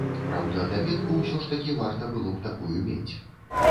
Праўда, даведку ўсё ж такі варта было б такую мець.